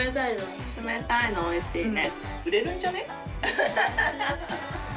冷たいのおいしいね。